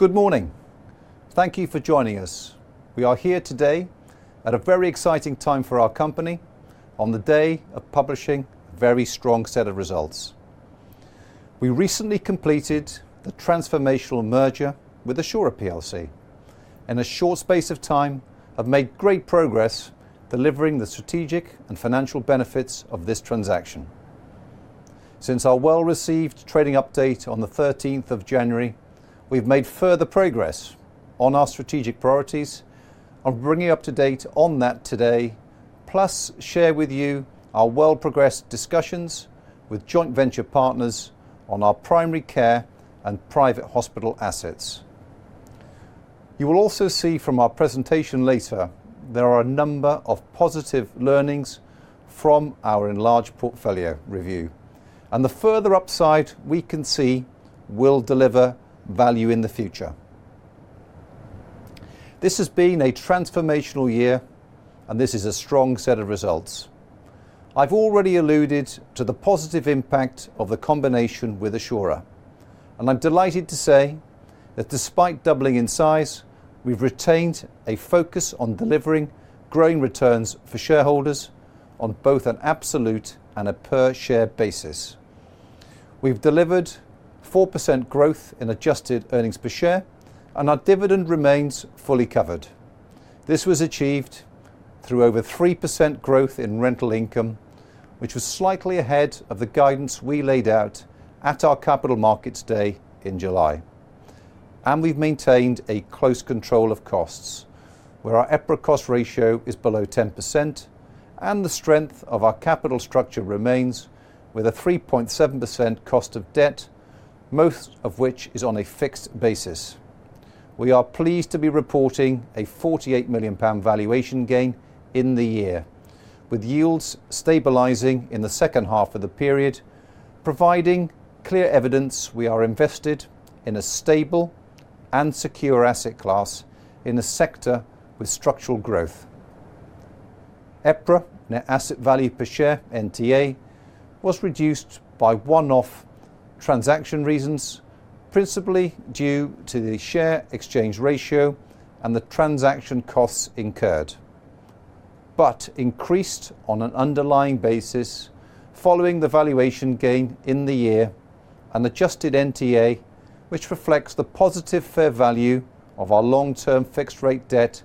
Good morning. Thank you for joining us. We are here today at a very exciting time for our company on the day of publishing a very strong set of results. We recently completed the transformational merger with Assura PLC. In a short space of time, we have made great progress delivering the strategic and financial benefits of this transaction. Since our well-received trading update on the 13th of January, we've made further progress on our strategic priorities. I'll bring you up to date on that today, plus share with you our well-progressed discussions with joint venture partners on our primary care and private hospital assets. You will also see from our presentation later. There are a number of positive learnings from our enlarged portfolio review, and the further upside we can see will deliver value in the future. This has been a transformational year, and this is a strong set of results. I've already alluded to the positive impact of the combination with Assura, and I'm delighted to say that despite doubling in size, we've retained a focus on delivering growing returns for shareholders on both an absolute and a per share basis. We've delivered 4% growth in adjusted earnings per share, and our dividend remains fully covered. This was achieved through over 3% growth in rental income, which was slightly ahead of the guidance we laid out at our Capital Markets Day in July. We've maintained a close control of costs, where our EPRA cost ratio is below 10% and the strength of our capital structure remains with a 3.7% cost of debt, most of which is on a fixed basis. We are pleased to be reporting a 48 million pound valuation gain in the year, with yields stabilizing in the second half of the period, providing clear evidence we are invested in a stable and secure asset class in a sector with structural growth. EPRA net asset value per share, NTA, was reduced by one-off transaction reasons, principally due to the share exchange ratio and the transaction costs incurred, but increased on an underlying basis following the valuation gain in the year. Adjusted NTA, which reflects the positive fair value of our long-term fixed-rate debt,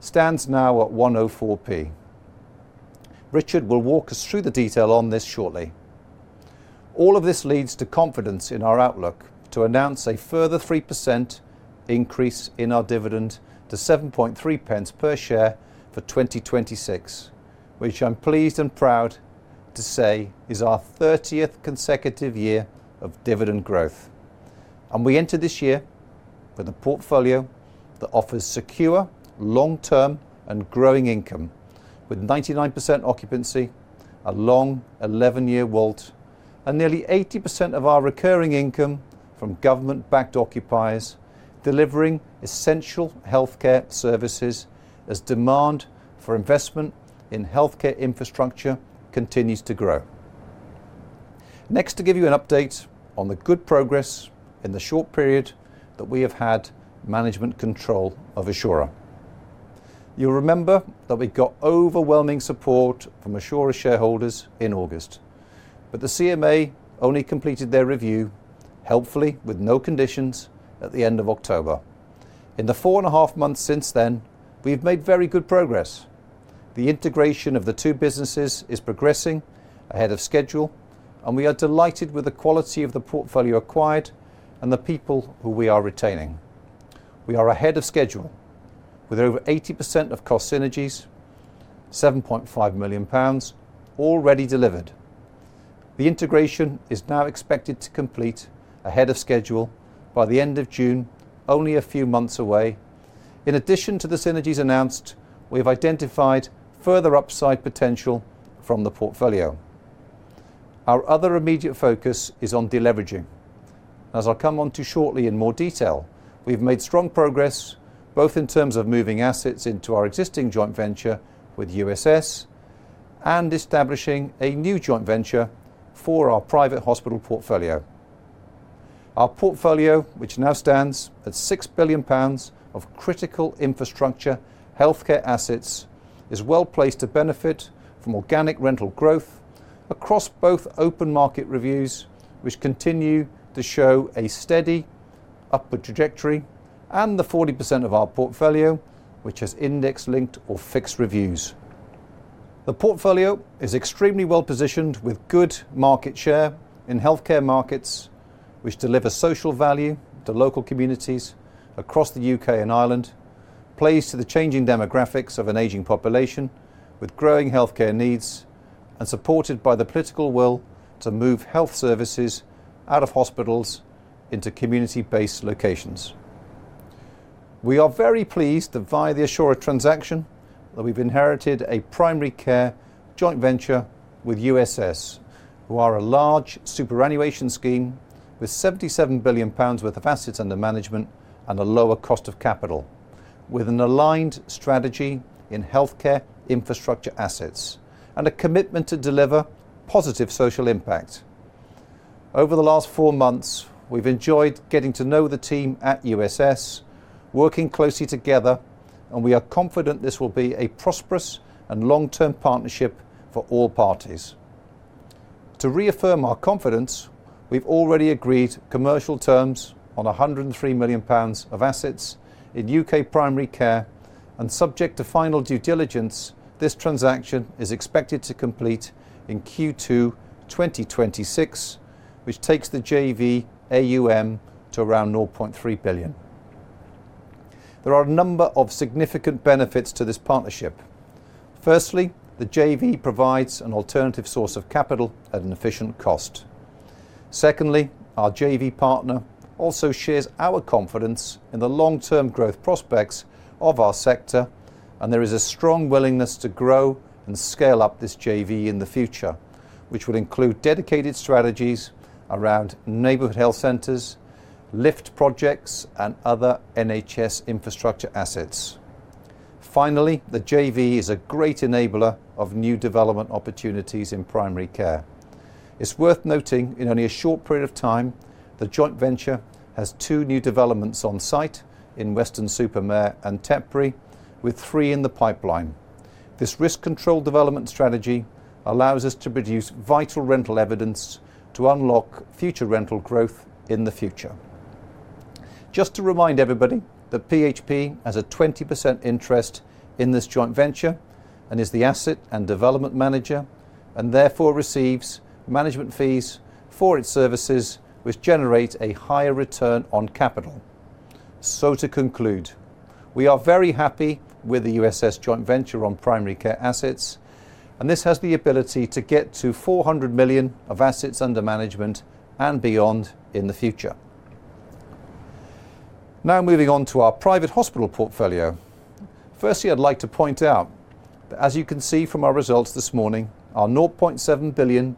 stands now at 104p. Richard will walk us through the detail on this shortly. All of this leads to confidence in our outlook to announce a further 3% increase in our dividend to 0.073 per share for 2026, which I'm pleased and proud to say is our 30th consecutive year of dividend growth. We enter this year with a portfolio that offers secure, long-term, and growing income with 99% occupancy, a long 11-year WALT, and nearly 80% of our recurring income from government-backed occupiers delivering essential healthcare services as demand for investment in healthcare infrastructure continues to grow. Next, to give you an update on the good progress in the short period that we have had management control of Assura. You'll remember that we got overwhelming support from Assura shareholders in August, but the CMA only completed their review, helpfully with no conditions, at the end of October. In the four and a half months since then, we have made very good progress. The integration of the two businesses is progressing ahead of schedule, and we are delighted with the quality of the portfolio acquired and the people who we are retaining. We are ahead of schedule with over 80% of cost synergies, 7.5 million pounds, already delivered. The integration is now expected to complete ahead of schedule by the end of June, only a few months away. In addition to the synergies announced, we have identified further upside potential from the portfolio. Our other immediate focus is on deleveraging. As I'll come onto shortly in more detail, we've made strong progress, both in terms of moving assets into our existing joint venture with USS and establishing a new joint venture for our private hospital portfolio. Our portfolio, which now stands at 6 billion pounds of critical infrastructure healthcare assets, is well-placed to benefit from organic rental growth across both open market reviews, which continue to show a steady upward trajectory, and the 40% of our portfolio which has index-linked or fixed reviews. The portfolio is extremely well-positioned with good market share in healthcare markets which deliver social value to local communities across the U.K. and Ireland, plays to the changing demographics of an aging population with growing healthcare needs, and supported by the political will to move health services out of hospitals into community-based locations. We are very pleased that via the Assura transaction, that we've inherited a primary care joint venture with USS, who are a large superannuation scheme with 77 billion pounds worth of assets under management and a lower cost of capital. With an aligned strategy in healthcare infrastructure assets, and a commitment to deliver positive social impact. Over the last four months, we've enjoyed getting to know the team at USS, working closely together, and we are confident this will be a prosperous and long-term partnership for all parties. To reaffirm our confidence, we've already agreed commercial terms on 103 million pounds of assets in U.K. Primary care, and subject to final due diligence, this transaction is expected to complete in Q2 2026, which takes the JV AUM to around 0.3 billion. There are a number of significant benefits to this partnership. Firstly, the JV provides an alternative source of capital at an efficient cost. Secondly, our JV partner also shares our confidence in the long-term growth prospects of our sector, and there is a strong willingness to grow and scale up this JV in the future, which will include dedicated strategies around neighborhood health centers, LIFT projects, and other NHS infrastructure assets. Finally, the JV is a great enabler of new development opportunities in primary care. It's worth noting, in only a short period of time, the joint venture has two new developments on site in Weston-super-Mare and Tetbury, with three in the pipeline. This risk-controlled development strategy allows us to produce vital rental evidence to unlock future rental growth in the future. Just to remind everybody that PHP has a 20% interest in this joint venture and is the asset and development manager and therefore receives management fees for its services, which generate a higher return on capital. To conclude, we are very happy with the USS joint venture on primary care assets, and this has the ability to get to 400 million of assets under management and beyond in the future. Now moving on to our private hospital portfolio. Firstly, I'd like to point out that as you can see from our results this morning, our 0.7 billion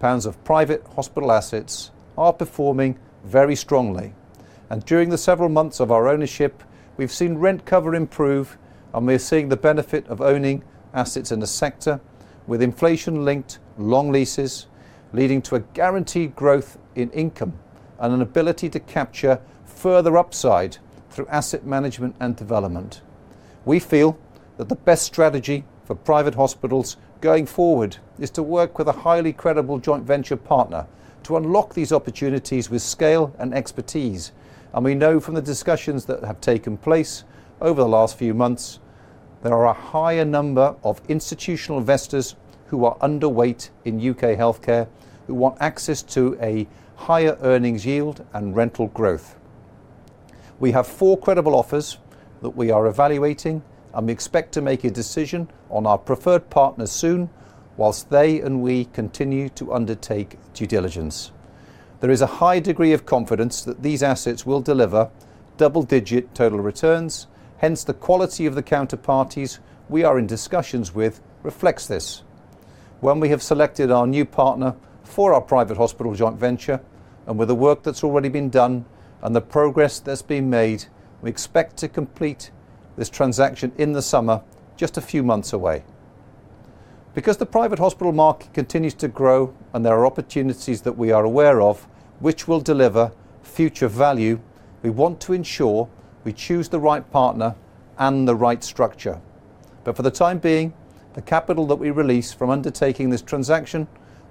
pounds of private hospital assets are performing very strongly. During the several months of our ownership, we've seen rent cover improve, and we're seeing the benefit of owning assets in the sector with inflation-linked long leases, leading to a guaranteed growth in income and an ability to capture further upside through asset management and development. We feel that the best strategy for private hospitals going forward is to work with a highly credible joint venture partner to unlock these opportunities with scale and expertise. We know from the discussions that have taken place over the last few months, there are a higher number of institutional investors who are underweight in U.K. healthcare who want access to a higher earnings yield and rental growth. We have four credible offers that we are evaluating, and we expect to make a decision on our preferred partner soon, whilst they and we continue to undertake due diligence. There is a high degree of confidence that these assets will deliver double-digit total returns. Hence, the quality of the counterparties we are in discussions with reflects this. When we have selected our new partner for our private hospital joint venture, and with the work that's already been done and the progress that's been made, we expect to complete this transaction in the summer, just a few months away. Because the private hospital market continues to grow, and there are opportunities that we are aware of which will deliver future value, we want to ensure we choose the right partner and the right structure. For the time being, the capital that we release from undertaking this transaction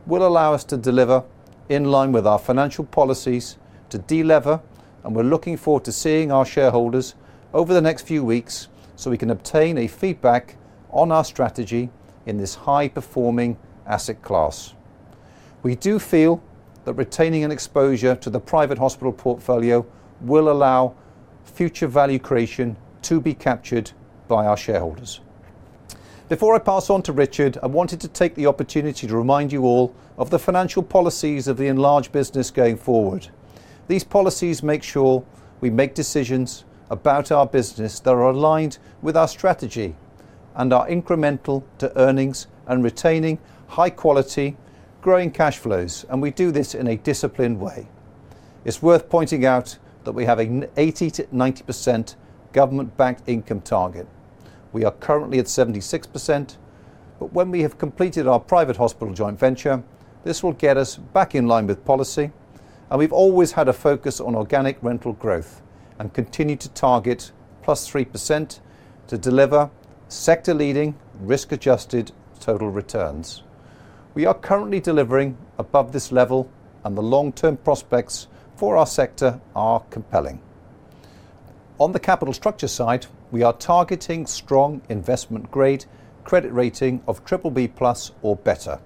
will allow us to deliver in line with our financial policies to delever, and we're looking forward to seeing our shareholders over the next few weeks, so we can obtain a feedback on our strategy in this high-performing asset class. We do feel that retaining an exposure to the private hospital portfolio will allow future value creation to be captured by our shareholders. Before I pass on to Richard, I wanted to take the opportunity to remind you all of the financial policies of the enlarged business going forward. These policies make sure we make decisions about our business that are aligned with our strategy and are incremental to earnings and retaining high quality, growing cash flows. We do this in a disciplined way. It's worth pointing out that we have an 80%-90% government-backed income target. We are currently at 76%, but when we have completed our private hospital joint venture, this will get us back in line with policy. We've always had a focus on organic rental growth and continue to target +3% to deliver sector-leading, risk-adjusted total returns. We are currently delivering above this level, and the long-term prospects for our sector are compelling. On the capital structure side, we are targeting strong investment-grade credit rating of BBB+ or better.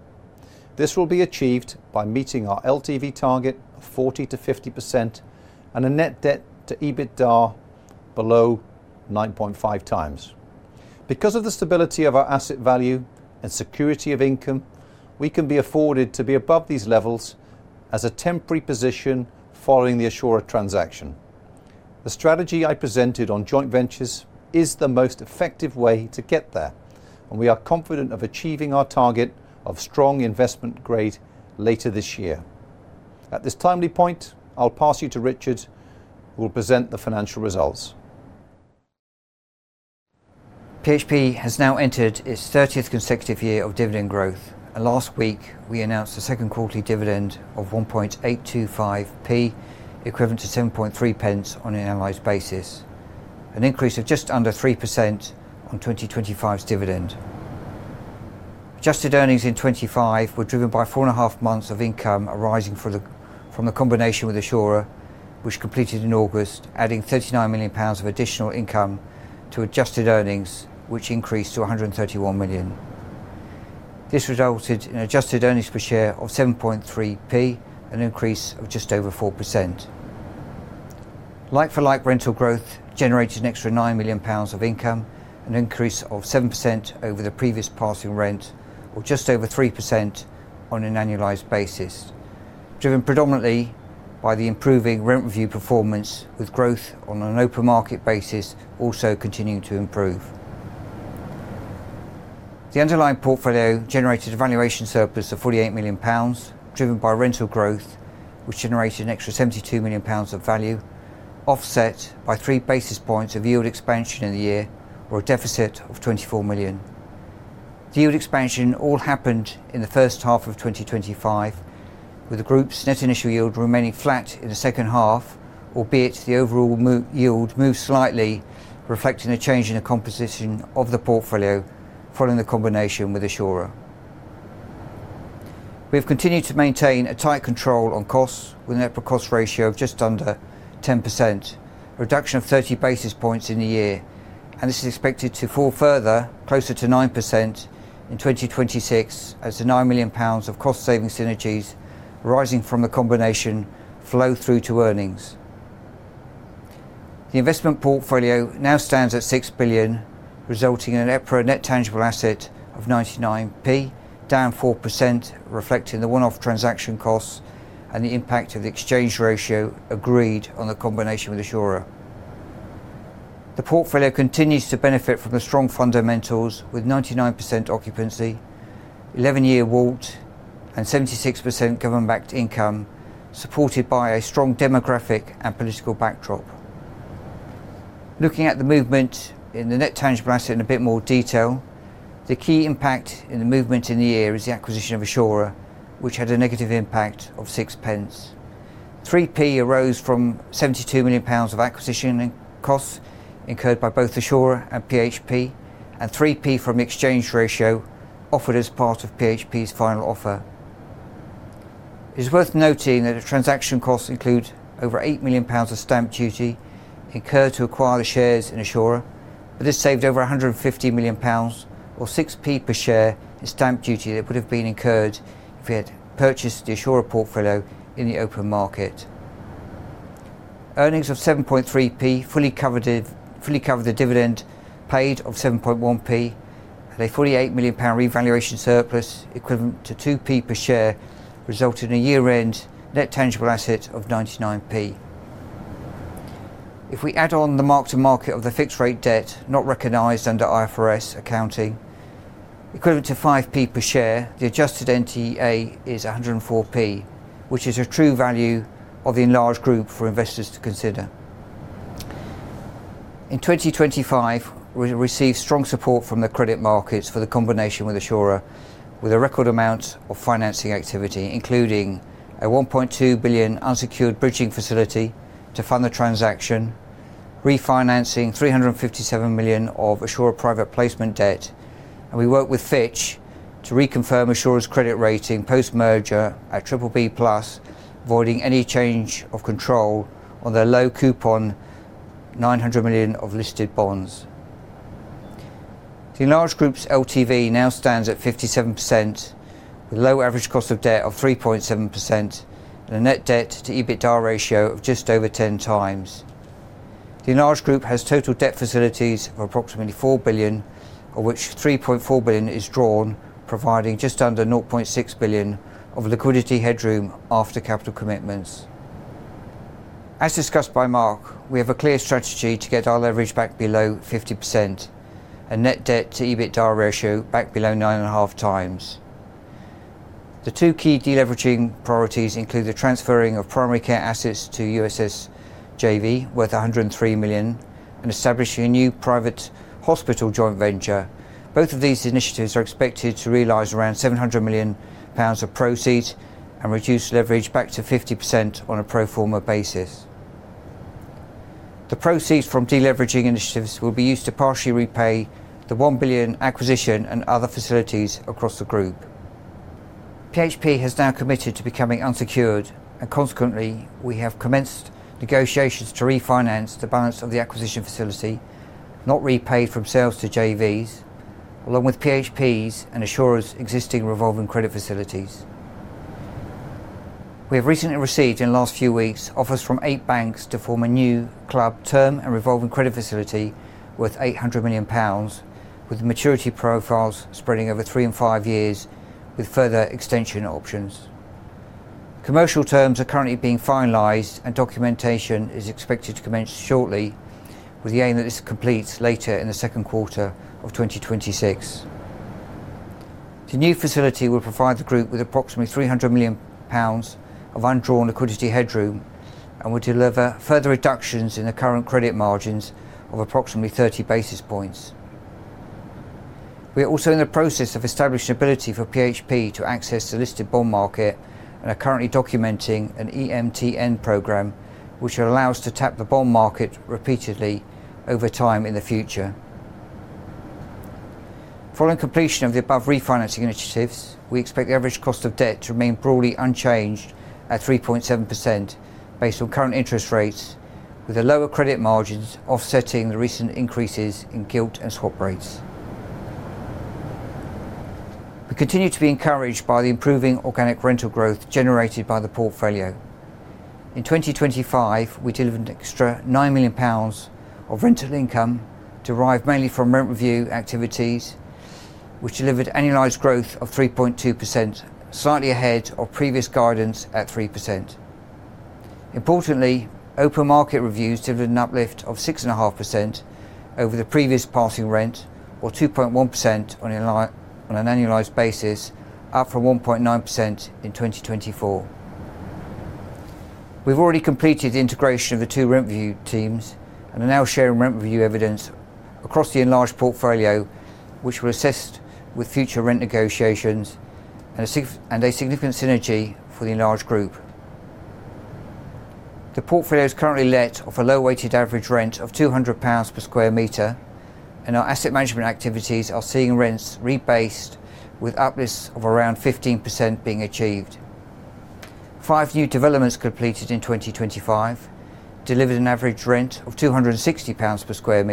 This will be achieved by meeting our LTV target of 40%-50% and a net debt-to-EBITDA below 9.5x. Because of the stability of our asset value and security of income, we can be afforded to be above these levels as a temporary position following the Assura transaction. The strategy I presented on joint ventures is the most effective way to get there, and we are confident of achieving our target of strong investment grade later this year. At this timely point, I'll pass you to Richard, who will present the financial results. PHP has now entered its 30th consecutive year of dividend growth, and last week we announced a second quarterly dividend of 1.825p, equivalent to 0.073 on an annualized basis, an increase of just under 3% on 2025's dividend. Adjusted earnings in 2025 were driven by four and a half months of income arising from the combination with Assura, which completed in August, adding 39 million pounds of additional income to adjusted earnings, which increased to 131 million. This resulted in adjusted earnings per share of 0.073, an increase of just over 4%. Like-for-like rental growth generated an extra 9 million pounds of income, an increase of 7% over the previous passing rent, or just over 3% on an annualized basis, driven predominantly by the improving rent review performance, with growth on an open market basis also continuing to improve. The underlying portfolio generated a valuation surplus of 48 million pounds, driven by rental growth, which generated an extra 72 million pounds of value, offset by 3 basis points of yield expansion in the year, or a deficit of 24 million. The yield expansion all happened in the first half of 2025, with the group's net initial yield remaining flat in the second half, albeit the overall yield moved slightly, reflecting a change in the composition of the portfolio following the combination with Assura. We've continued to maintain a tight control on costs, with an EPRA cost ratio of just under 10%, a reduction of 30 basis points in the year, and this is expected to fall further, closer to 9% in 2026, as the 9 million pounds of cost saving synergies arising from the combination flow through to earnings. The investment portfolio now stands at 6 billion, resulting in an EPRA net tangible asset of 0.99, down 4%, reflecting the one-off transaction costs and the impact of the exchange ratio agreed on the combination with Assura. The portfolio continues to benefit from the strong fundamentals, with 99% occupancy, 11-year WALT, and 76% government-backed income, supported by a strong demographic and political backdrop. Looking at the movement in the net tangible asset in a bit more detail, the key impact in the movement in the year is the acquisition of Assura, which had a negative impact of 0.06. 0.03 arose from 72 million pounds of acquisition costs incurred by both Assura and PHP, and GBP 0.03 from the exchange ratio offered as part of PHP's final offer. It is worth noting that the transaction costs include over 8 million pounds of Stamp Duty incurred to acquire the shares in Assura, but this saved over 150 million pounds, or 0.06 per share, in Stamp Duty that would have been incurred if we had purchased the Assura portfolio in the open market. Earnings of 0.073 fully covered it, fully covered the dividend paid of 0.071, and a 48 million pound revaluation surplus equivalent to 0.02 per share, resulting in a year-end net tangible asset of 0.99. If we add on the mark to market of the fixed-rate debt not recognized under IFRS accounting, equivalent to 0.05 per share, the adjusted NTA is 1.04, which is a true value of the enlarged group for investors to consider. In 2025, we received strong support from the credit markets for the combination with Assura, with a record amount of financing activity, including a 1.2 billion unsecured bridging facility to fund the transaction, refinancing 357 million of Assura private placement debt, and we worked with Fitch to reconfirm Assura's credit rating post-merger at BBB+, avoiding any change of control on their low coupon 900 million of listed bonds. The enlarged group's LTV now stands at 57%, with a low average cost of debt of 3.7%, and a net debt-to-EBITDA ratio of just over 10x. The enlarged group has total debt facilities of approximately 4 billion, of which 3.4 billion is drawn, providing just under 0.6 billion of liquidity headroom after capital commitments. As discussed by Mark, we have a clear strategy to get our leverage back below 50%, and net debt-to-EBITDA ratio back below 9.5x. The two key deleveraging priorities include the transferring of primary care assets to USS JV, worth 103 million, and establishing a new private hospital joint venture. Both of these initiatives are expected to realize around 700 million pounds of proceeds and reduce leverage back to 50% on a pro forma basis. The proceeds from deleveraging initiatives will be used to partially repay the 1 billion acquisition and other facilities across the group. PHP has now committed to becoming unsecured, and consequently, we have commenced negotiations to refinance the balance of the acquisition facility not repaid from sales to JVs, along with PHP's and Assura's existing revolving credit facilities. We have recently received, in the last few weeks, offers from eight banks to form a new club term and revolving credit facility worth 800 million pounds, with maturity profiles spreading over three and five years, with further extension options. Commercial terms are currently being finalized, and documentation is expected to commence shortly, with the aim that this completes later in the second quarter of 2026. The new facility will provide the group with approximately 300 million pounds of undrawn liquidity headroom and will deliver further reductions in the current credit margins of approximately 30 basis points. We are also in the process of establishing ability for PHP to access the listed bond market and are currently documenting an EMTN program, which will allow us to tap the bond market repeatedly over time in the future. Following completion of the above refinancing initiatives, we expect the average cost of debt to remain broadly unchanged at 3.7% based on current interest rates, with the lower credit margins offsetting the recent increases in gilt and swap rates. We continue to be encouraged by the improving organic rental growth generated by the portfolio. In 2025, we delivered an extra 9 million pounds of rental income, derived mainly from rent review activities, which delivered annualized growth of 3.2%, slightly ahead of previous guidance at 3%. Importantly, open market reviews delivered an uplift of 6.5% over the previous passing rent, or 2.1% on an annualized basis, up from 1.9% in 2024. We've already completed the integration of the two rent review teams and are now sharing rent review evidence across the enlarged portfolio, which will assist with future rent negotiations and a significant synergy for the enlarged group. The portfolio is currently let at a low weighted average rent of 200 pounds per sq m, and our asset management activities are seeing rents rebased with uplifts of around 15% being achieved. Five new developments completed in 2025 delivered an average rent of 260 pounds per sq m,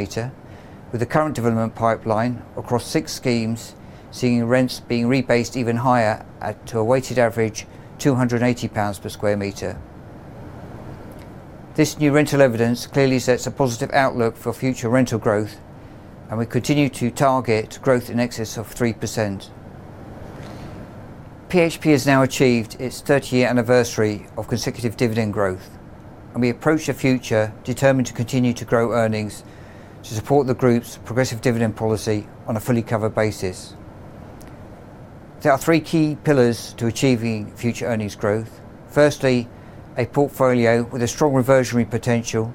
with the current development pipeline across six schemes seeing rents being rebased even higher at a weighted average 280 pounds per sq m. This new rental evidence clearly sets a positive outlook for future rental growth, and we continue to target growth in excess of 3%. PHP has now achieved its 30-year anniversary of consecutive dividend growth, and we approach the future determined to continue to grow earnings to support the group's progressive dividend policy on a fully covered basis. There are three key pillars to achieving future earnings growth. Firstly, a portfolio with a strong reversionary potential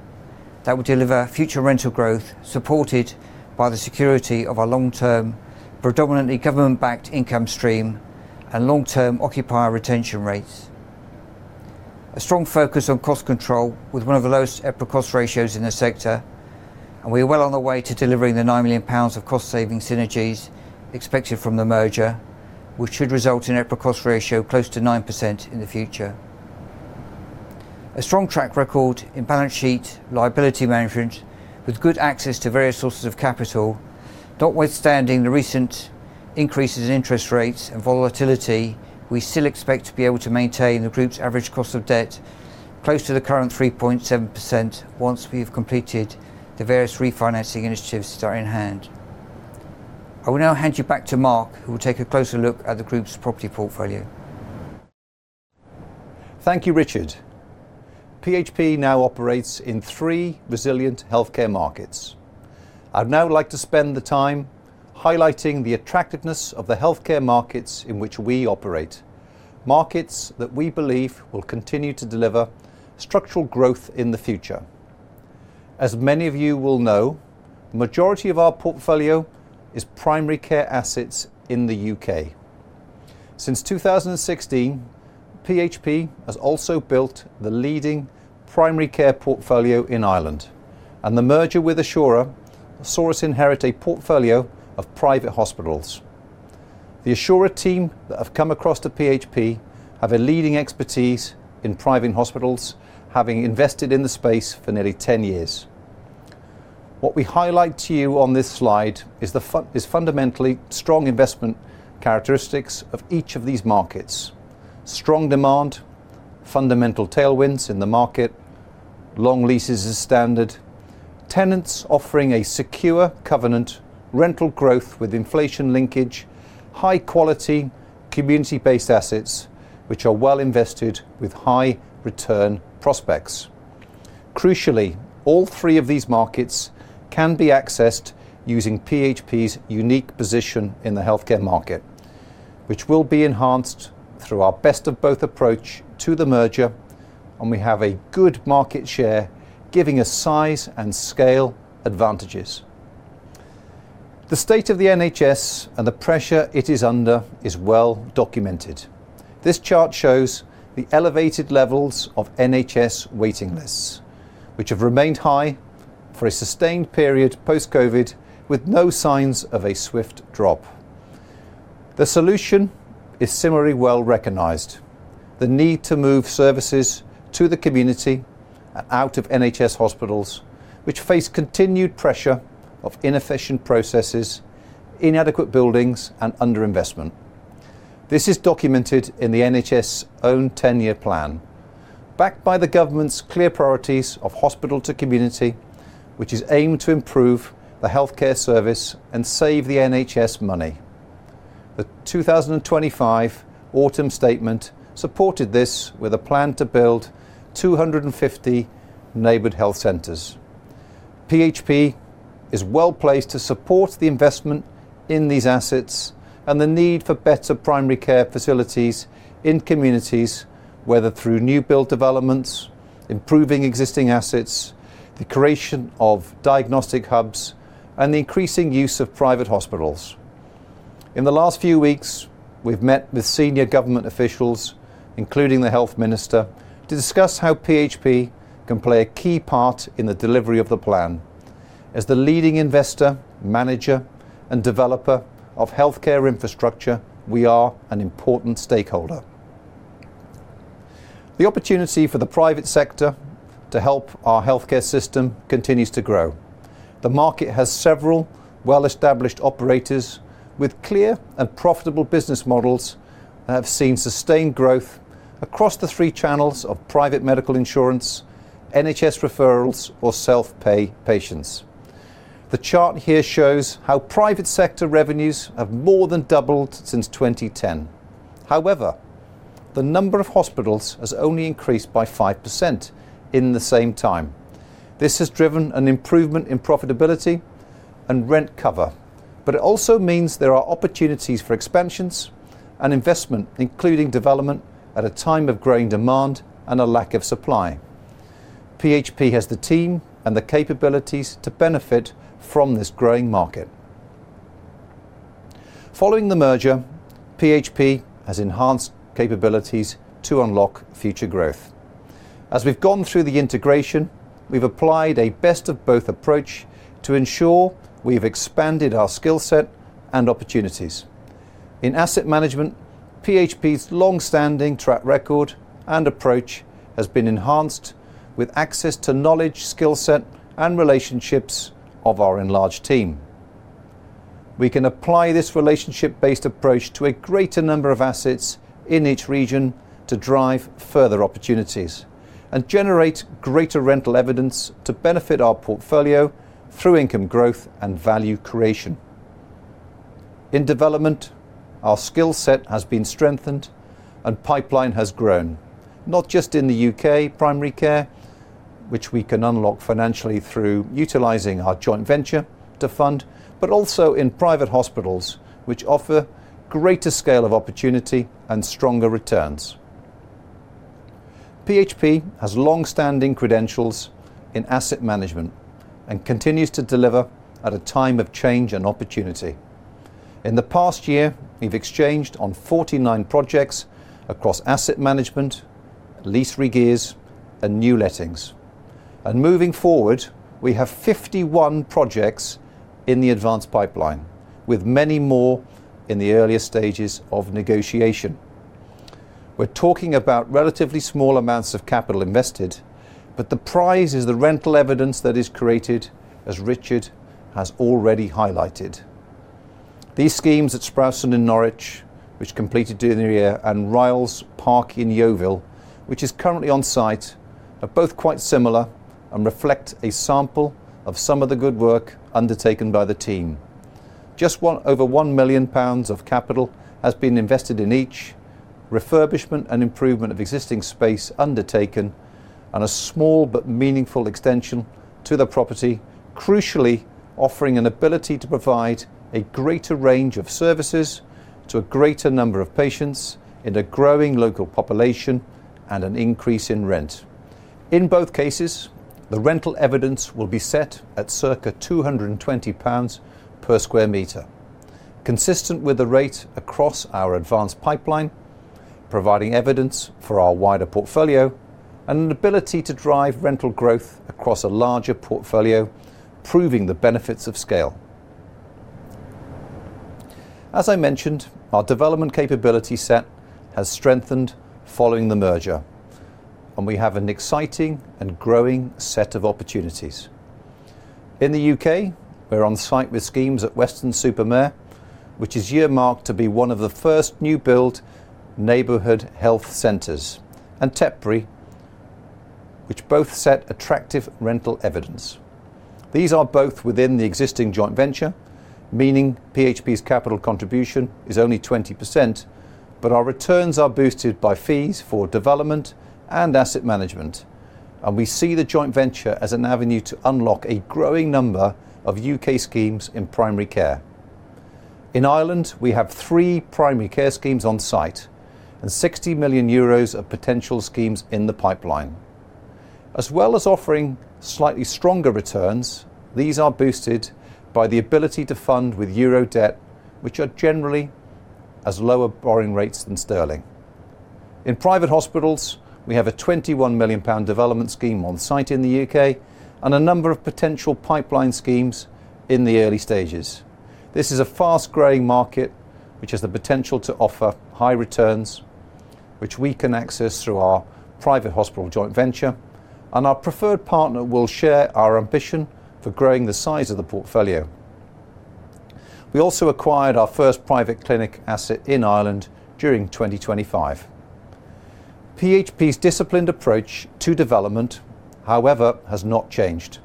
that will deliver future rental growth, supported by the security of our long-term, predominantly government-backed income stream and long-term occupier retention rates. A strong focus on cost control with one of the lowest EPRA cost ratios in the sector, and we are well on the way to delivering the 9 million pounds of cost saving synergies expected from the merger, which should result in EPRA cost ratio close to 9% in the future. A strong track record in balance sheet liability management with good access to various sources of capital. Notwithstanding the recent increases in interest rates and volatility, we still expect to be able to maintain the group's average cost of debt close to the current 3.7% once we've completed the various refinancing initiatives that are in hand. I will now hand you back to Mark, who will take a closer look at the group's property portfolio. Thank you, Richard. PHP now operates in three resilient healthcare markets. I'd now like to spend the time highlighting the attractiveness of the healthcare markets in which we operate, markets that we believe will continue to deliver structural growth in the future. As many of you will know, the majority of our portfolio is primary care assets in the U.K. Since 2016, PHP has also built the leading primary care portfolio in Ireland, and the merger with Assura saw us inherit a portfolio of private hospitals. The Assura team that have come across to PHP have a leading expertise in private hospitals, having invested in the space for nearly 10 years. What we highlight to you on this slide is fundamentally strong investment characteristics of each of these markets. Strong demand, fundamental tailwinds in the market, long leases as standard, tenants offering a secure covenant, rental growth with inflation linkage, high quality community-based assets which are well invested with high return prospects. Crucially, all three of these markets can be accessed using PHP's unique position in the healthcare market, which will be enhanced through our best of both approach to the merger, and we have a good market share, giving us size and scale advantages. The state of the NHS and the pressure it is under is well documented. This chart shows the elevated levels of NHS waiting lists, which have remained high for a sustained period post-COVID, with no signs of a swift drop. The solution is similarly well-recognized, the need to move services to the community and out of NHS hospitals, which face continued pressure of inefficient processes, inadequate buildings, and underinvestment. This is documented in the NHS' own 10 year plan, backed by the government's clear priorities of hospital to community, which is aimed to improve the healthcare service and save the NHS money. The 2025 Autumn Statement supported this with a plan to build 250 neighborhood health centers. PHP is well-placed to support the investment in these assets and the need for better primary care facilities in communities, whether through new build developments, improving existing assets, the creation of diagnostic hubs, and the increasing use of private hospitals. In the last few weeks, we've met with senior government officials, including the health minister, to discuss how PHP can play a key part in the delivery of the plan. As the leading investor, manager, and developer of healthcare infrastructure, we are an important stakeholder. The opportunity for the private sector to help our healthcare system continues to grow. The market has several well-established operators with clear and profitable business models that have seen sustained growth across the three channels of private medical insurance, NHS referrals, or self-pay patients. The chart here shows how private sector revenues have more than doubled since 2010. However, the number of hospitals has only increased by 5% in the same time. This has driven an improvement in profitability and rent cover, but it also means there are opportunities for expansions and investment, including development at a time of growing demand and a lack of supply. PHP has the team and the capabilities to benefit from this growing market. Following the merger, PHP has enhanced capabilities to unlock future growth. As we've gone through the integration, we've applied a best-of-both approach to ensure we've expanded our skill set and opportunities. In asset management, PHP's long-standing track record and approach has been enhanced with access to knowledge, skill set, and relationships of our enlarged team. We can apply this relationship-based approach to a greater number of assets in each region to drive further opportunities and generate greater rental evidence to benefit our portfolio through income growth and value creation. In development, our skill set has been strengthened and pipeline has grown, not just in the U.K. primary care, which we can unlock financially through utilizing our joint venture to fund, but also in private hospitals, which offer greater scale of opportunity and stronger returns. PHP has long-standing credentials in asset management and continues to deliver at a time of change and opportunity. In the past year, we've exchanged on 49 projects across asset management, lease regears, and new lettings. Moving forward, we have 51 projects in the advanced pipeline, with many more in the earlier stages of negotiation. We're talking about relatively small amounts of capital invested, but the prize is the rental evidence that is created, as Richard has already highlighted. These schemes at Sprowston in Norwich, which completed during the year, and Ryalls Park in Yeovil, which is currently on site, are both quite similar and reflect a sample of some of the good work undertaken by the team. Just over 1 million pounds of capital has been invested in each, refurbishment and improvement of existing space undertaken, and a small but meaningful extension to the property, crucially offering an ability to provide a greater range of services to a greater number of patients in a growing local population and an increase in rent. In both cases, the rental evidence will be set at circa 220 pounds per sq m, consistent with the rate across our advanced pipeline, providing evidence for our wider portfolio and an ability to drive rental growth across a larger portfolio, proving the benefits of scale. As I mentioned, our development capability set has strengthened following the merger, and we have an exciting and growing set of opportunities. In the U.K., we're on site with schemes at Weston-super-Mare, which is earmarked to be one of the first new-build neighborhood health centers, and Tetbury, which both set attractive rental evidence. These are both within the existing joint venture, meaning PHP's capital contribution is only 20%, but our returns are boosted by fees for development and asset management, and we see the joint venture as an avenue to unlock a growing number of U.K. schemes in primary care. In Ireland, we have three primary care schemes on site and 60 million euros of potential schemes in the pipeline. As well as offering slightly stronger returns, these are boosted by the ability to fund with euro debt, which generally has lower borrowing rates than sterling. In private hospitals, we have a 21 million pound development scheme on site in the U.K. and a number of potential pipeline schemes in the early stages. This is a fast-growing market which has the potential to offer high returns, which we can access through our private hospital joint venture, and our preferred partner will share our ambition for growing the size of the portfolio. We also acquired our first private clinic asset in Ireland during 2025. PHP's disciplined approach to development, however, has not changed.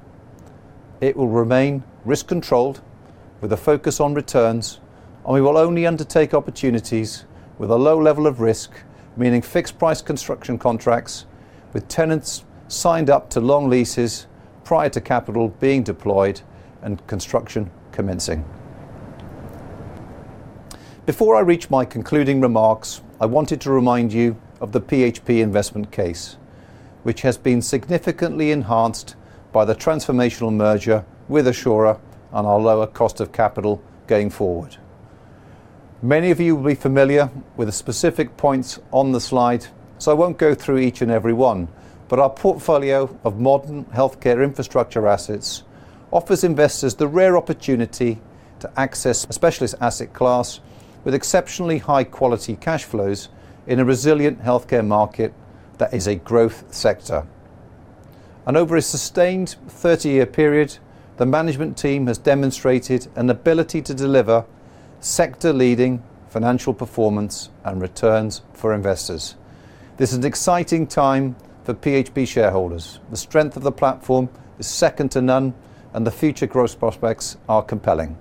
It will remain risk-controlled with a focus on returns, and we will only undertake opportunities with a low level of risk, meaning fixed-price construction contracts with tenants signed up to long leases prior to capital being deployed and construction commencing. Before I reach my concluding remarks, I wanted to remind you of the PHP investment case, which has been significantly enhanced by the transformational merger with Assura and our lower cost of capital going forward. Many of you will be familiar with the specific points on the slide, so I won't go through each and every one. Our portfolio of modern healthcare infrastructure assets offers investors the rare opportunity to access a specialist asset class with exceptionally high-quality cash flows in a resilient healthcare market that is a growth sector. Over a sustained 30-year period, the management team has demonstrated an ability to deliver sector-leading financial performance and returns for investors. This is an exciting time for PHP shareholders. The strength of the platform is second to none, and the future growth prospects are compelling.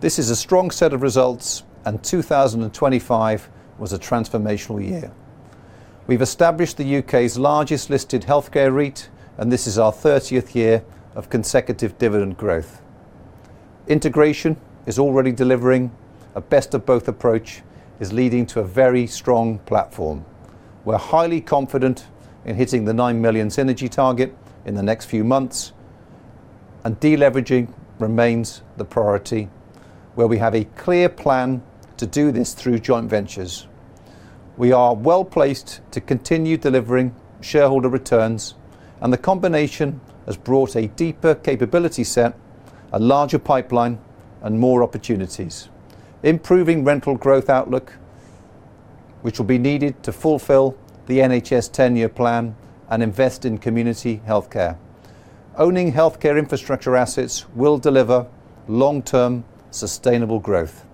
This is a strong set of results, and 2025 was a transformational year. We've established the U.K.'s largest listed healthcare REIT, and this is our 30th year of consecutive dividend growth. Integration is already delivering. A best-of-both approach is leading to a very strong platform. We're highly confident in hitting the 9 million synergy target in the next few months, and deleveraging remains the priority, where we have a clear plan to do this through joint ventures. We are well-placed to continue delivering shareholder returns, and the combination has brought a deeper capability set, a larger pipeline, and more opportunities. Improving rental growth outlook, which will be needed to fulfill the NHS 10-year plan and invest in community healthcare. Owning healthcare infrastructure assets will deliver long-term sustainable growth.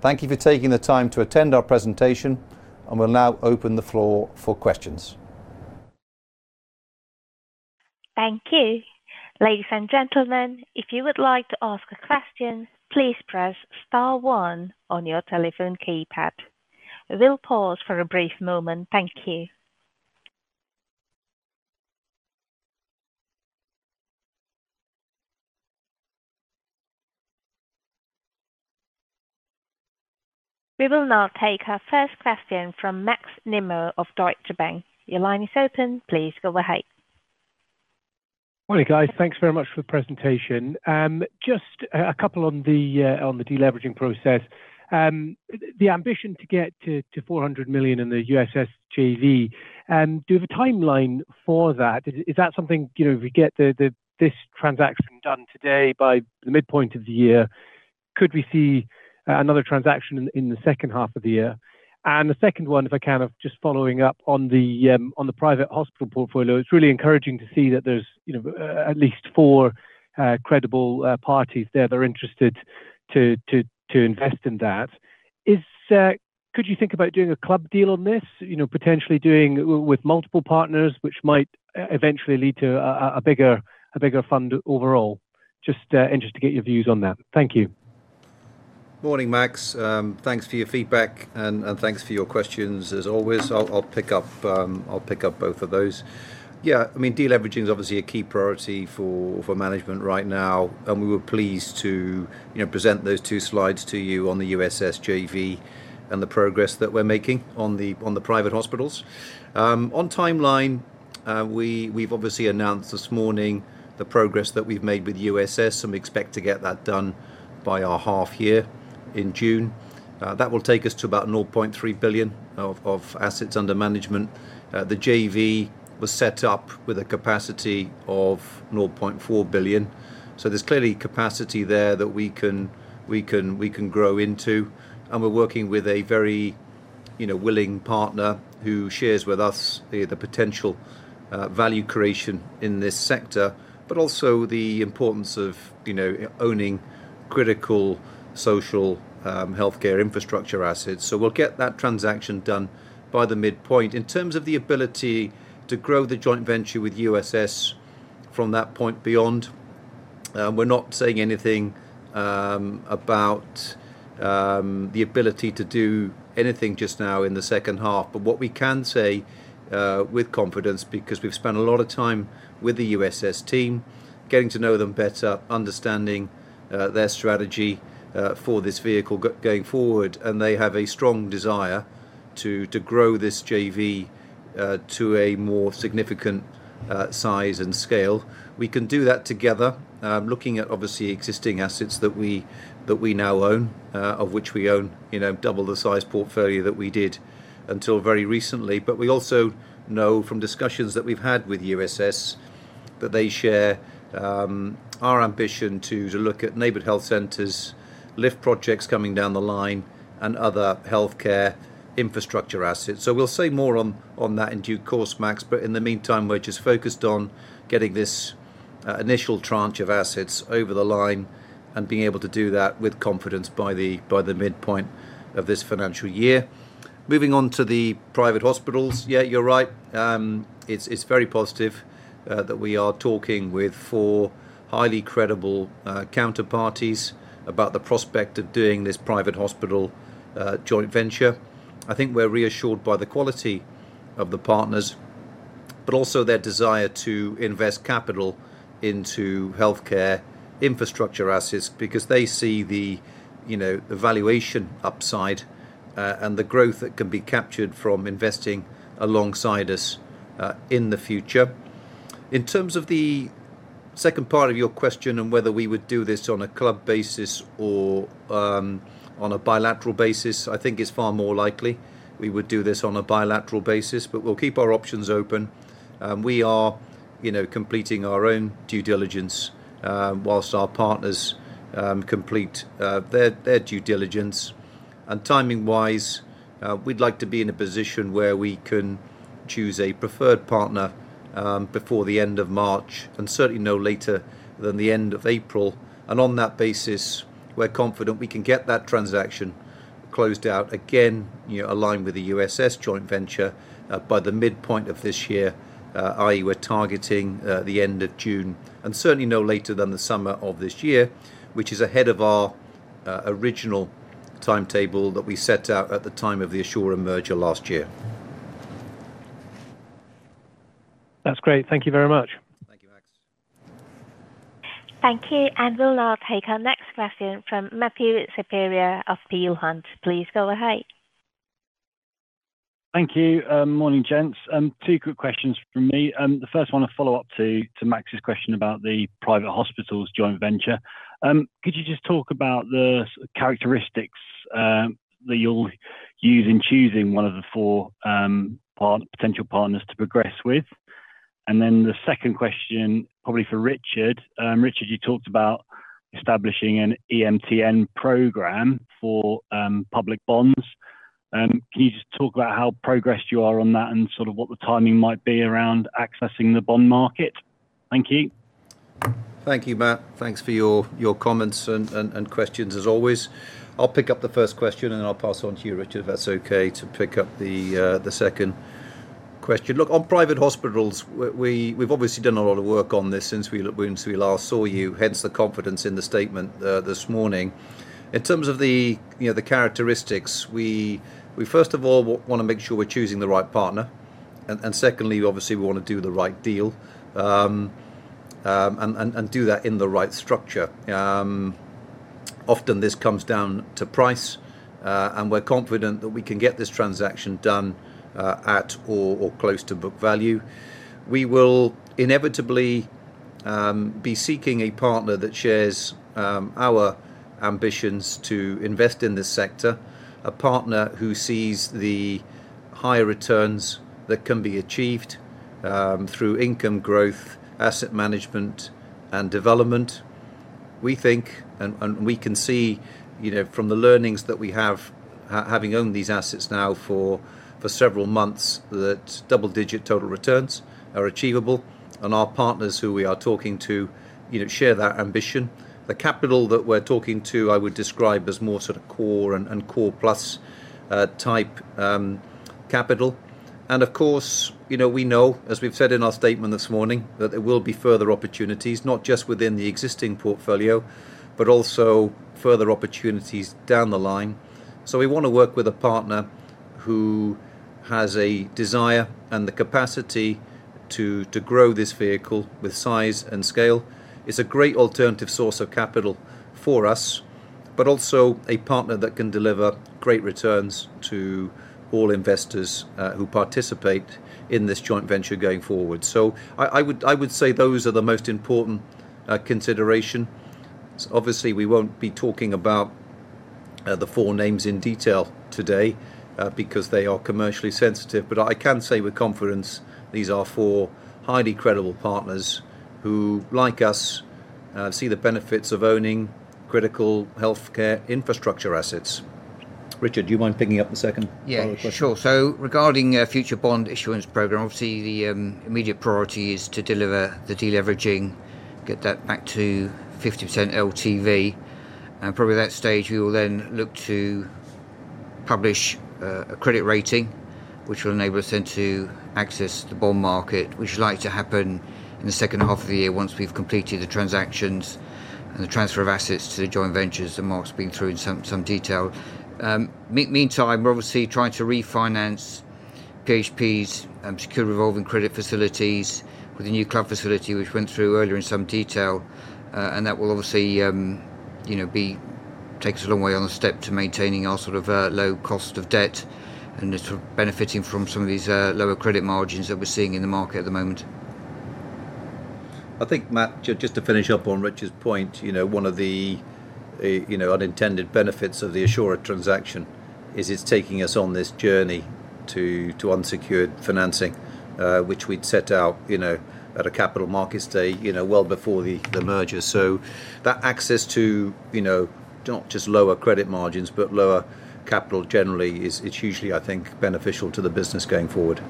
Thank you for taking the time to attend our presentation, and we'll now open the floor for questions. Thank you. Ladies, and gentlemen, if you would like to ask a question, please press star one on your telephone keypad. We'll pause for a brief moment. Thank you. We will now take our first question from Max Nimmo of Deutsche Bank. Your line is open. Please go ahead. Morning, guys. Thanks very much for the presentation. Just a couple on the deleveraging process. The ambition to get to 400 million in the USS JV, do you have a timeline for that? Is that something, you know, if we get this transaction done today by the midpoint of the year, could we see another transaction in the second half of the year? The second one, if I can, just following up on the private hospital portfolio, it's really encouraging to see that there's, you know, at least four credible parties there that are interested to invest in that. Could you think about doing a club deal on this? You know, potentially doing with multiple partners, which might eventually lead to a bigger fund overall. Just interested to get your views on that. Thank you. Morning, Max. Thanks for your feedback and thanks for your questions as always. I'll pick up both of those. Yeah, I mean, deleveraging is obviously a key priority for management right now, and we were pleased to, you know, present those two slides to you on the USS JV and the progress that we're making on the private hospitals. On timeline, we've obviously announced this morning the progress that we've made with USS, and we expect to get that done by our half year in June. That will take us to about 0.3 billion of assets under management. The JV was set up with a capacity of 0.4 billion. So there's clearly capacity there that we can grow into. We're working with a very, you know, willing partner who shares with us the potential value creation in this sector, but also the importance of, you know, owning critical social healthcare infrastructure assets. We'll get that transaction done by the midpoint. In terms of the ability to grow the joint venture with USS from that point beyond, we're not saying anything about the ability to do anything just now in the second half. What we can say with confidence, because we've spent a lot of time with the USS team, getting to know them better, understanding their strategy for this vehicle going forward, and they have a strong desire to grow this JV to a more significant size and scale. We can do that together, looking at obviously existing assets that we now own, of which we own, you know, double the size portfolio that we did until very recently. We also know from discussions that we've had with USS that they share our ambition to look at neighborhood health centers, LIFT projects coming down the line, and other healthcare infrastructure assets. We'll say more on that in due course, Max. In the meantime, we're just focused on getting this initial tranche of assets over the line and being able to do that with confidence by the midpoint of this financial year. Moving on to the private hospitals. Yeah, you're right. It's very positive that we are talking with four highly credible counterparties about the prospect of doing this private hospital joint venture. I think we're reassured by the quality of the partners, but also their desire to invest capital into healthcare infrastructure assets because they see the you know the valuation upside, and the growth that can be captured from investing alongside us, in the future. In terms of the second part of your question and whether we would do this on a club basis or on a bilateral basis, I think it's far more likely we would do this on a bilateral basis. We'll keep our options open. We are you know completing our own due diligence while our partners complete their due diligence. Timing-wise, we'd like to be in a position where we can choose a preferred partner before the end of March, and certainly no later than the end of April. On that basis, we're confident we can get that transaction closed out again, you know, aligned with the USS joint venture, by the midpoint of this year, i.e. we're targeting the end of June, and certainly no later than the summer of this year, which is ahead of our original timetable that we set out at the time of the Assura merger last year. That's great. Thank you very much. Thank you, Max. Thank you. We'll now take our next question from Matthew Saperia of Peel Hunt. Please go ahead. Thank you. Morning, gents. Two quick questions from me. The first one, a follow-up to Max's question about the private hospitals joint venture. Could you just talk about the characteristics that you'll use in choosing one of the four potential partners to progress with? And then the second question, probably for Richard. Richard, you talked about establishing an EMTN program for public bonds. Can you just talk about how progressed you are on that and sort of what the timing might be around accessing the bond market? Thank you. Thank you, Matt. Thanks for your comments and questions as always. I'll pick up the first question, and then I'll pass on to you, Richard, if that's okay, to pick up the second question. Look, on private hospitals, we've obviously done a lot of work on this since when we last saw you, hence the confidence in the statement this morning. In terms of, you know, the characteristics, we first of all wanna make sure we're choosing the right partner. Secondly, obviously we wanna do the right deal and do that in the right structure. Often this comes down to price, and we're confident that we can get this transaction done at or close to book value. We will inevitably be seeking a partner that shares our ambitions to invest in this sector, a partner who sees the high returns that can be achieved through income growth, asset management, and development. We think we can see, you know, from the learnings that we have, having owned these assets now for several months that double-digit total returns are achievable, and our partners who we are talking to, you know, share that ambition. The capital that we're talking to, I would describe as more sort of core and core plus type capital. Of course, you know, we know, as we've said in our statement this morning, that there will be further opportunities, not just within the existing portfolio, but also further opportunities down the line. We wanna work with a partner who has a desire and the capacity to grow this vehicle with size and scale, is a great alternative source of capital for us, but also a partner that can deliver great returns to all investors who participate in this joint venture going forward. I would say those are the most important consideration. Obviously, we won't be talking about the four names in detail today because they are commercially sensitive. I can say with confidence, these are four highly credible partners who, like us, see the benefits of owning critical healthcare infrastructure assets. Richard, do you mind picking up the second follow-up question? Yeah, sure. Regarding a future bond issuance program, obviously the immediate priority is to deliver the deleveraging, get that back to 50% LTV. Probably at that stage, we will then look to publish a credit rating, which will enable us then to access the bond market. We should like to happen in the second half of the year once we've completed the transactions and the transfer of assets to the joint ventures that Mark's been through in some detail. Meantime, we're obviously trying to refinance PHP's secure revolving credit facilities with a new club facility which went through earlier in some detail. That will obviously, you know, take us a long way on the step to maintaining our sort of low cost of debt and sort of benefiting from some of these lower credit margins that we're seeing in the market at the moment. I think, Matt, just to finish up on Richard's point, you know, one of the unintended benefits of the Assura transaction is it's taking us on this journey to unsecured financing, which we'd set out, you know, at a Capital Markets Day well before the merger. That access to, you know, not just lower credit margins, but lower capital generally is. It's usually, I think, beneficial to the business going forward.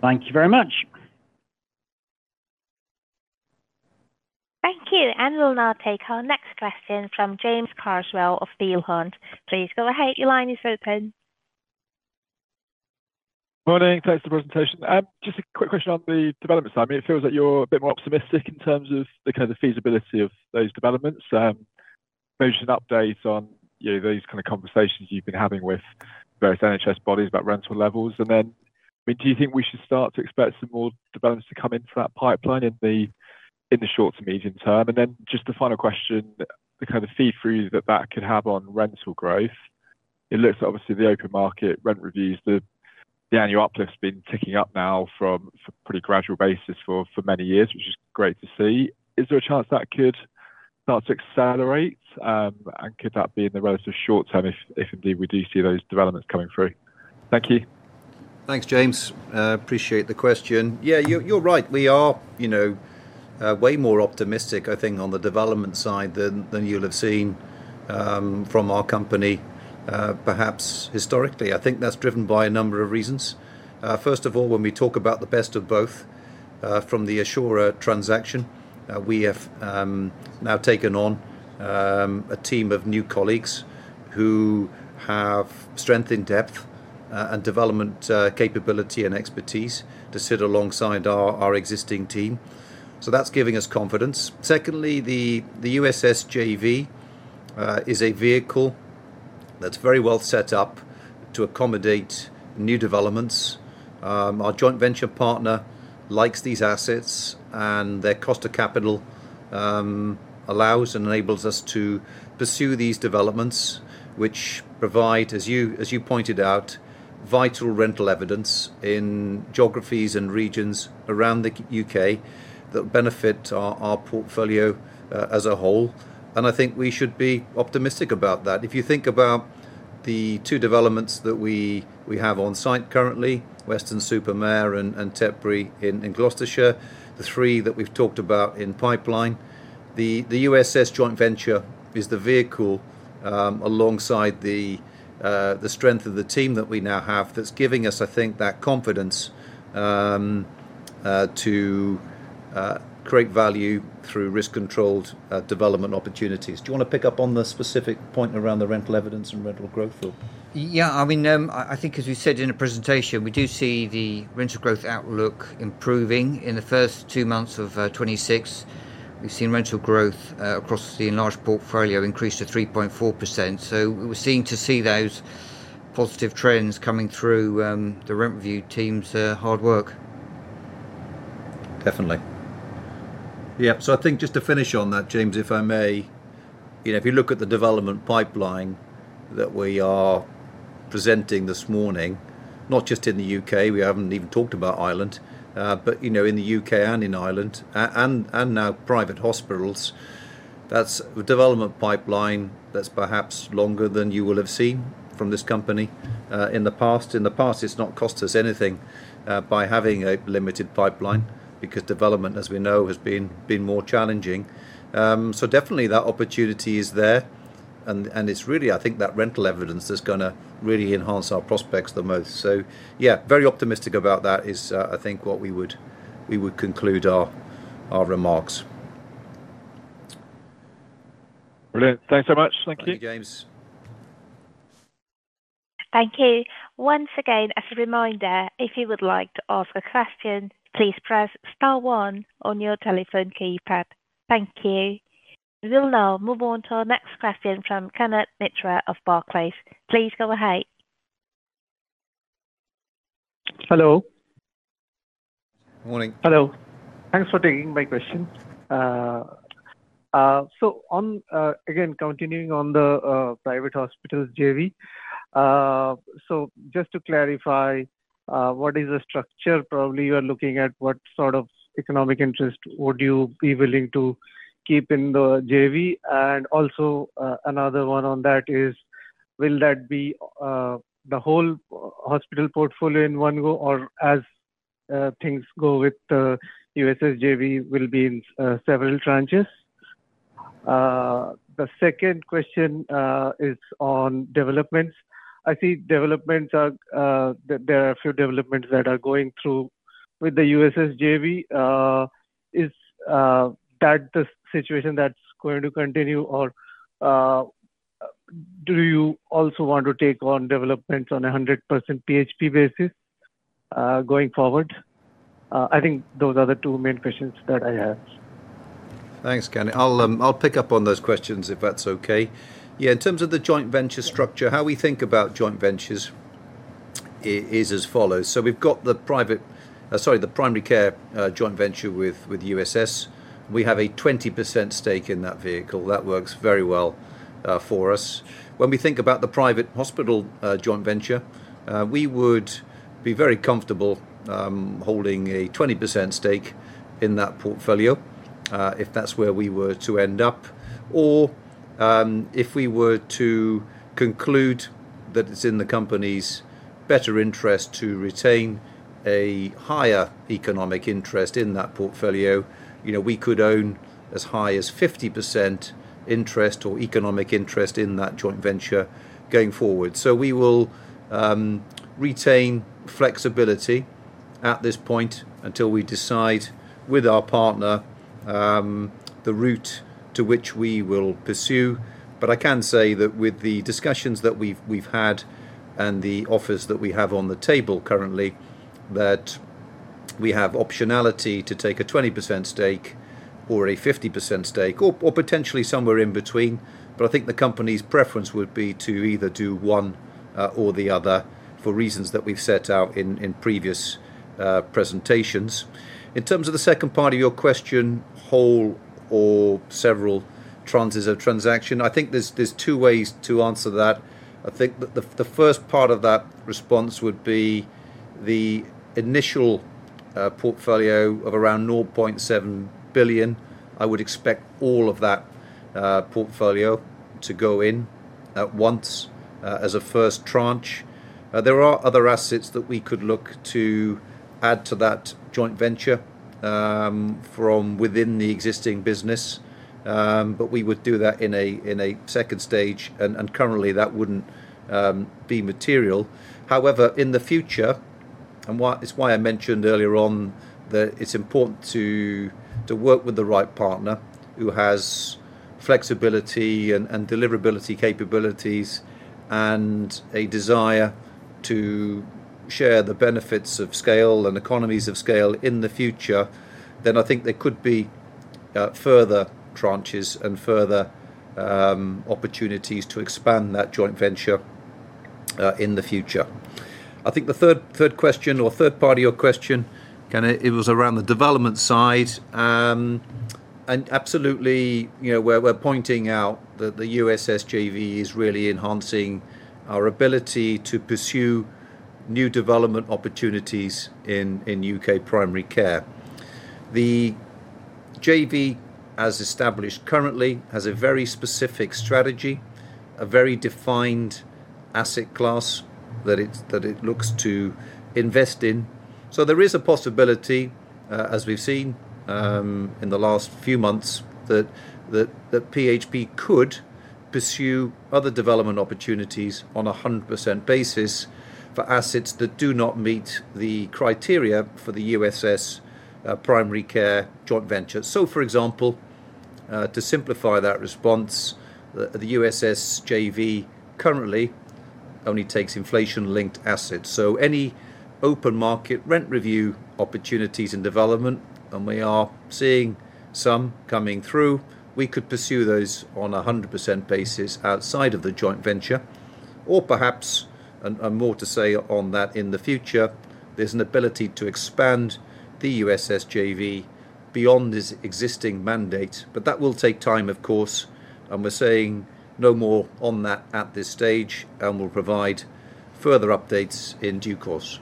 Thank you very much. We'll now take our next question from James Carswell of Peel Hunt. Please go ahead. Your line is open. Morning. Thanks for the presentation. Just a quick question on the development side. I mean, it feels like you're a bit more optimistic in terms of the kind of feasibility of those developments. Maybe just an update on, you know, those kind of conversations you've been having with various NHS bodies about rental levels. Then, I mean, do you think we should start to expect some more developments to come in from that pipeline in the short to medium term? Then just the final question, the kind of feed through that could have on rental growth. It looks obviously the open market rent reviews, the annual uplift's been ticking up now from a pretty gradual basis for many years, which is great to see. Is there a chance that could start to accelerate? Could that be in the relative short term if indeed we do see those developments coming through? Thank you. Thanks, James. Appreciate the question. Yeah, you're right. We are, you know, way more optimistic, I think, on the development side than you'll have seen from our company, perhaps historically. I think that's driven by a number of reasons. First of all, when we talk about the best of both from the Assura transaction, we have now taken on a team of new colleagues who have strength in depth and development capability and expertise to sit alongside our existing team. So that's giving us confidence. Secondly, the USS JV is a vehicle that's very well set up to accommodate new developments. Our joint venture partner likes these assets, and their cost of capital allows and enables us to pursue these developments, which provide, as you pointed out, vital rental evidence in geographies and regions around the U.K. that benefit our portfolio as a whole. I think we should be optimistic about that. If you think about the two developments that we have on site currently, Weston-super-Mare and Tetbury in Gloucestershire, the three that we've talked about in pipeline, the USS joint venture is the vehicle, alongside the strength of the team that we now have that's giving us, I think, that confidence to create value through risk-controlled development opportunities. Do you wanna pick up on the specific point around the rental evidence and rental growth or? Yeah. I mean, I think as we said in the presentation, we do see the rental growth outlook improving. In the first two months of 2026, we've seen rental growth across the enlarged portfolio increase to 3.4%. We're starting to see those positive trends coming through the rent review team's hard work. Definitely. Yeah. I think just to finish on that, James, if I may, you know, if you look at the development pipeline that we are presenting this morning, not just in the U.K., we haven't even talked about Ireland, but, you know, in the U.K. and in Ireland and now private hospitals, that's a development pipeline that's perhaps longer than you will have seen from this company in the past. In the past, it's not cost us anything by having a limited pipeline because development, as we know, has been more challenging. Definitely that opportunity is there and it's really, I think, that rental evidence that's gonna really enhance our prospects the most. Yeah, very optimistic about that is, I think what we would conclude our remarks. Brilliant. Thanks so much. Thank you. Thank you, James. Thank you. Once again, as a reminder, if you would like to ask a question, please press star one on your telephone keypad. Thank you. We'll now move on to our next question from Kanad Mitra of Barclays. Please go ahead. Hello. Morning. Hello. Thanks for taking my question. On, again, continuing on the private hospitals JV, so just to clarify, what is the structure? Probably you are looking at what sort of economic interest would you be willing to keep in the JV? Also, another one on that is, will that be the whole hospital portfolio in one go or as things go with the USS JV will be in several tranches? The second question is on developments. I see there are a few developments that are going through with the USS JV. Is that the situation that's going to continue or do you also want to take on developments on a 100% PHP basis, going forward? I think those are the two main questions that I have. Thanks, Kanad. I'll pick up on those questions if that's okay. Yeah. In terms of the joint venture structure, how we think about joint ventures is as follows. We've got the primary care joint venture with USS. We have a 20% stake in that vehicle. That works very well for us. When we think about the private hospital joint venture, we would be very comfortable holding a 20% stake in that portfolio if that's where we were to end up. Or, if we were to conclude that it's in the company's better interest to retain a higher economic interest in that portfolio, you know, we could own as high as 50% interest or economic interest in that joint venture going forward. We will retain flexibility at this point until we decide with our partner the route to which we will pursue. I can say that with the discussions that we've had and the offers that we have on the table currently, that we have optionality to take a 20% stake or a 50% stake or potentially somewhere in between. I think the company's preference would be to either do one or the other for reasons that we've set out in previous presentations. In terms of the second part of your question, whole or several tranches of transaction, I think there are two ways to answer that. I think the first part of that response would be the initial portfolio of around 0.7 billion. I would expect all of that, portfolio to go in at once, as a first tranche. There are other assets that we could look to add to that joint venture, from within the existing business, but we would do that in a second stage and currently that wouldn't be material. However, in the future, it's why I mentioned earlier on that it's important to work with the right partner who has flexibility and deliverability capabilities and a desire to share the benefits of scale and economies of scale in the future, then I think there could be further tranches and further opportunities to expand that joint venture, in the future. I think the third question or third part of your question, kinda it was around the development side. Absolutely, you know, we're pointing out that the USS JV is really enhancing our ability to pursue new development opportunities in U.K. primary care. The JV, as established currently, has a very specific strategy, a very defined asset class that it looks to invest in. There is a possibility, as we've seen, in the last few months that PHP could pursue other development opportunities on a 100% basis for assets that do not meet the criteria for the USS primary care joint venture. For example, to simplify that response, the USS JV currently only takes inflation-linked assets. Any open market rent review opportunities and development, and we are seeing some coming through, we could pursue those on a 100% basis outside of the joint venture. Perhaps, and there's more to say on that in the future, there's an ability to expand the USS JV beyond its existing mandate. That will take time, of course, and we're saying no more on that at this stage, and we'll provide further updates in due course.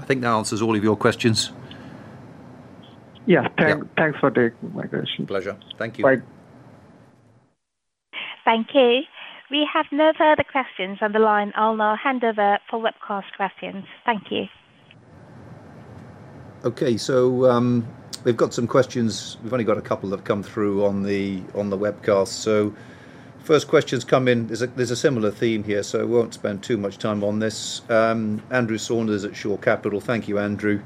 I think that answers all of your questions. Yeah. Yeah. Thanks for taking my question. Pleasure. Thank you. Bye. Thank you. We have no further questions on the line. I'll now hand over for webcast questions. Thank you. Okay. We've got some questions. We've only got a couple that have come through on the webcast. First question's come in. There's a similar theme here, so I won't spend too much time on this. Andrew Saunders at Shore Capital. Thank you, Andrew.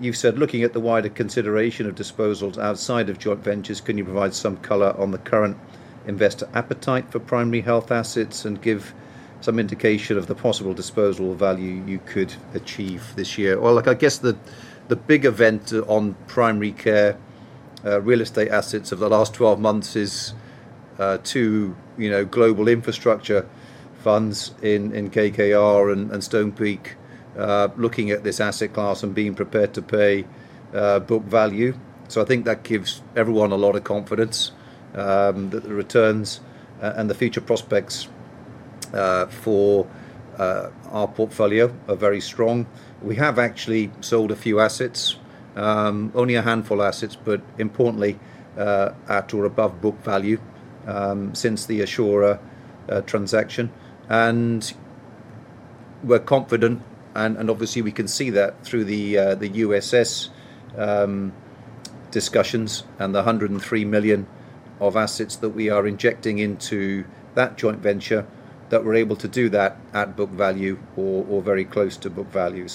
You said looking at the wider consideration of disposals outside of joint ventures, can you provide some color on the current investor appetite for primary health assets and give some indication of the possible disposal value you could achieve this year? Well, look, I guess the big event on primary care real estate assets over the last 12 months is, you know, global infrastructure funds in KKR and Stonepeak looking at this asset class and being prepared to pay book value. I think that gives everyone a lot of confidence that the returns and the future prospects for our portfolio are very strong. We have actually sold a few assets, only a handful of assets, but importantly, at or above book value since the Assura transaction. We're confident and obviously we can see that through the USS discussions and the 103 million of assets that we are injecting into that joint venture, that we're able to do that at book value or very close to book value.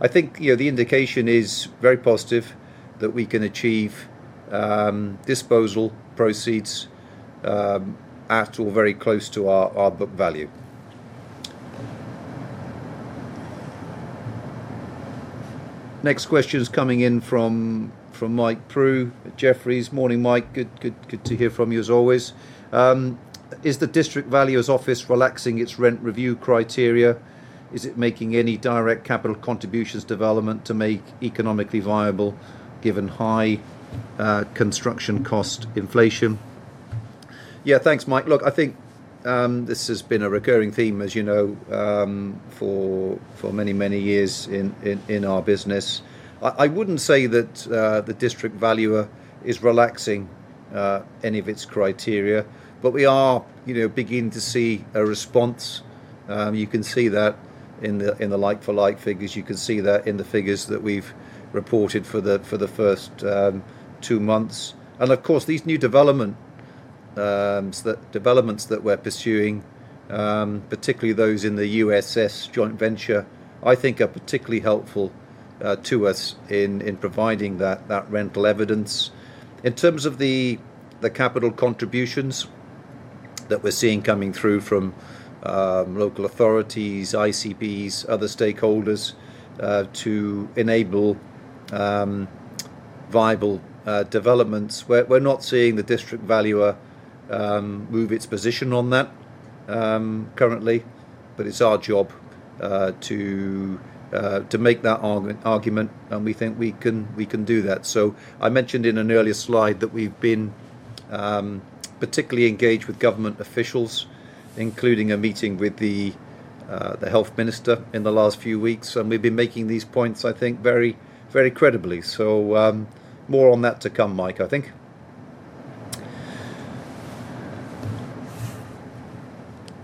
I think, you know, the indication is very positive that we can achieve disposal proceeds at or very close to our book value. Next question is coming in from Mike Prew at Jefferies. Morning, Mike. Good to hear from you as always. Is the District Valuer's Office relaxing its rent review criteria? Is it making any direct capital contributions to development to make economically viable given high construction cost inflation? Yeah. Thanks, Mike. Look, I think this has been a recurring theme, as you know, for many years in our business. I wouldn't say that the District Valuer is relaxing any of its criteria, but we are, you know, beginning to see a response. You can see that in the like-for-like figures. You can see that in the figures that we've reported for the first two months. Of course, these new developments that we're pursuing, particularly those in the USS joint venture, I think are particularly helpful to us in providing that rental evidence. In terms of the capital contributions that we're seeing coming through from local authorities, ICBs, other stakeholders to enable viable developments, we're not seeing the District Valuer move its position on that currently. It's our job to make that argument, and we think we can do that. I mentioned in an earlier slide that we've been particularly engaged with government officials, including a meeting with the Health Minister in the last few weeks, and we've been making these points, I think very, very credibly. More on that to come, Mike, I think.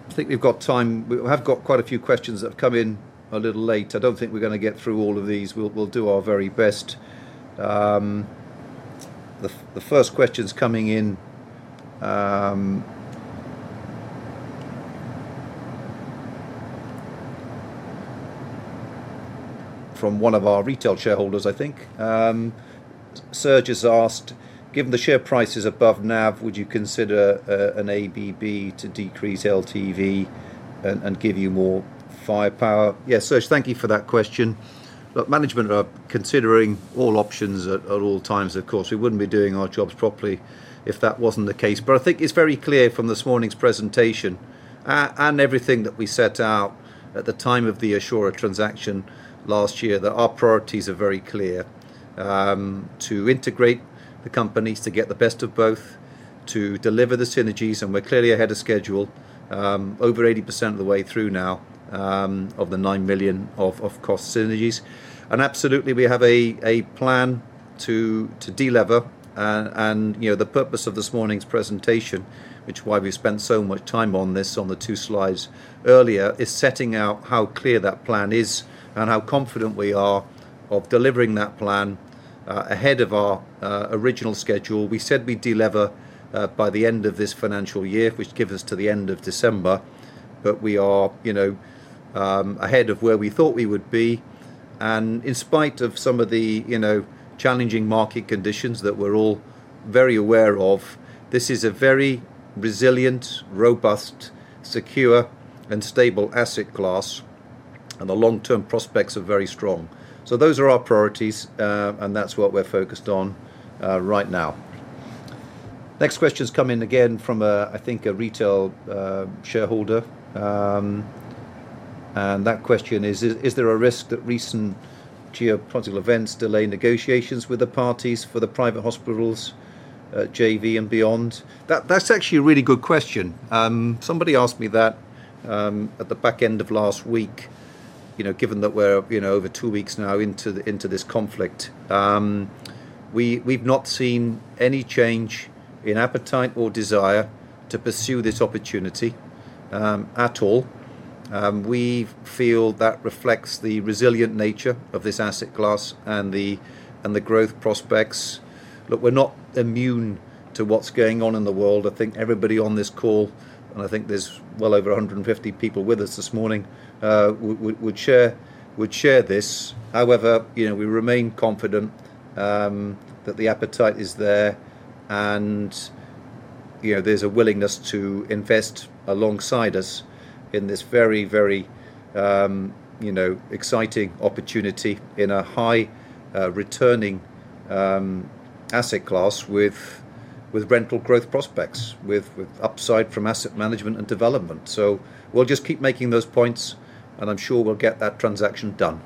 I think we've got time. We have got quite a few questions that have come in a little late. I don't think we're gonna get through all of these. We'll do our very best. The first question's coming in from one of our retail shareholders, I think. Serge has asked, "Given the share price is above NAV, would you consider an ABB to decrease LTV and give you more firepower?" Yeah, Serge, thank you for that question. Look, management are considering all options at all times, of course. We wouldn't be doing our jobs properly if that wasn't the case. I think it's very clear from this morning's presentation and everything that we set out at the time of the Assura transaction last year, that our priorities are very clear. To integrate the companies, to get the best of both, to deliver the synergies, and we're clearly ahead of schedule, over 80% of the way through now, of the 9 million of cost synergies. Absolutely, we have a plan to delever. You know, the purpose of this morning's presentation, which is why we spent so much time on this on the two slides earlier, is setting out how clear that plan is and how confident we are of delivering that plan, ahead of our original schedule. We said we'd delever by the end of this financial year, which gives us to the end of December. We are, you know, ahead of where we thought we would be. In spite of some of the, you know, challenging market conditions that we're all very aware of, this is a very resilient, robust, secure, and stable asset class, and the long-term prospects are very strong. Those are our priorities, and that's what we're focused on, right now. Next question's come in again from a, I think a retail shareholder. That question is: Is there a risk that recent geopolitical events delay negotiations with the parties for the private hospitals, JV and beyond? That's actually a really good question. Somebody asked me that, at the back end of last week, you know, given that we're, you know, over two weeks now into this conflict. We've not seen any change in appetite or desire to pursue this opportunity, at all. We feel that reflects the resilient nature of this asset class and the growth prospects. Look, we're not immune to what's going on in the world. I think everybody on this call, and I think there's well over 150 people with us this morning, would share this. However, you know, we remain confident that the appetite is there and, you know, there's a willingness to invest alongside us in this very, you know, exciting opportunity in a high returning asset class with rental growth prospects, with upside from asset management and development. We'll just keep making those points, and I'm sure we'll get that transaction done.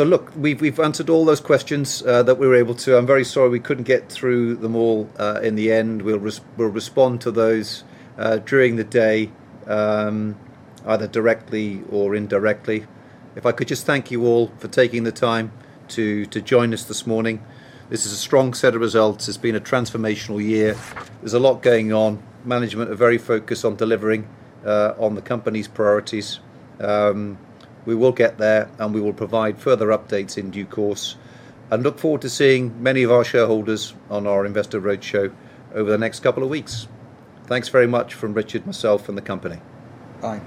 Look, we've answered all those questions that we were able to. I'm very sorry we couldn't get through them all in the end. We'll respond to those during the day, either directly or indirectly. If I could just thank you all for taking the time to join us this morning. This is a strong set of results. It's been a transformational year. There's a lot going on. Management are very focused on delivering on the company's priorities. We will get there, and we will provide further updates in due course. I look forward to seeing many of our shareholders on our Investor Roadshow over the next couple of weeks. Thanks very much from Richard, myself, and the company. Bye.